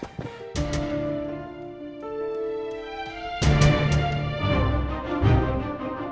kau tidak bisa jauh jauh